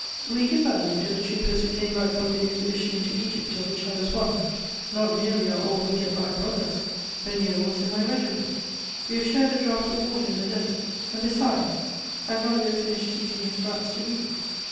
"We give that name to the troopers who came back from the expedition into Egypt, of which I was one. Not merely are all who get back brothers; Vergniaud was in my regiment. We have shared a draught of water in the desert; and besides, I have not yet finished teaching his brats to read."